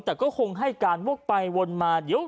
แต่ก็คงให้การวกไปวนมา